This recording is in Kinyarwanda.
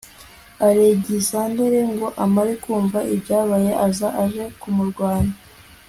alegisanderi ngo amare kumva ibyabaye, aza aje kumurwanya